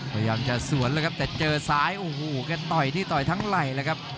พยายามจะสวนแล้วครับแต่เจอซ้ายโอ้โหแกต่อยที่ต่อยทั้งไหล่เลยครับ